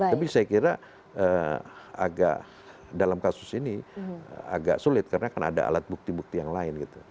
tapi saya kira agak dalam kasus ini agak sulit karena kan ada alat bukti bukti yang lain gitu